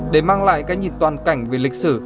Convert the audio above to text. để mang lại cái nhìn toàn cảnh về lịch sử